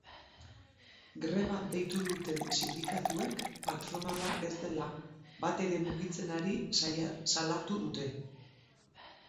Greba deitu duten sindikatuek, patronala ez dela batere mugitzen ari salatu dute.